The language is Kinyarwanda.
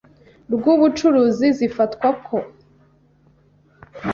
rw ubucuruzi zifatwa ko